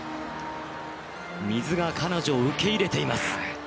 水が彼女を受け入れています。